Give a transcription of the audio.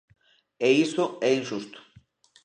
E iso é inxusto.